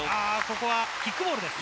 ここはキックボールです。